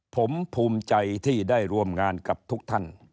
ผมภูมิใจที่ได้ร่วมงานกับทุกท่าน